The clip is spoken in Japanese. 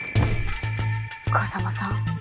風真さん